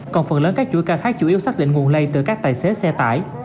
còn phần lớn các chuỗi ca khác chủ yếu xác định nguồn lây từ các tài xế xe tải